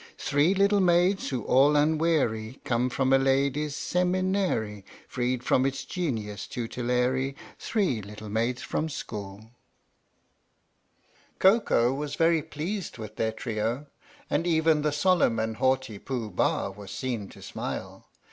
Three little maids who all unwary Come from a ladies' seminary, Freed from its genius tutelary Three little maids from school ! Koko was very pleased with their trio, and even 35 THE STORY OF THE MIKADO the solemn and haughty Pooh Bah was seen to smile.